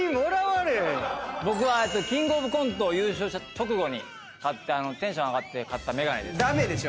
僕はキングオブコント優勝した直後にテンション上がって買った眼鏡です。